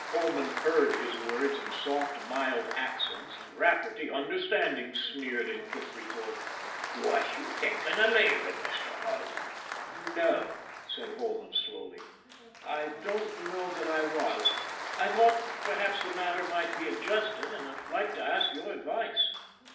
Holman purred his words in soft, mild accents, and Rafferty, understanding, sneered in quick retort : f< Was you thinkin' av lavin', Mr. Holman ?"" No," said Holman, slowly, " I don't know that I was. I thought perhaps the matter might be adjusted, and I'd like to ask your advice.